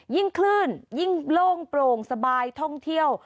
ยิ่งคลื่นยิ่งโล่งโปร่งสบายท่องเที่ยว